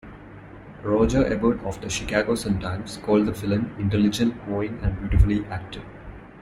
Roger Ebert of the "Chicago Sun-Times" called the film "intelligent, moving and beautifully acted.